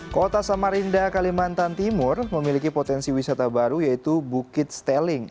kota samarinda kalimantan timur memiliki potensi wisata baru yaitu bukit steling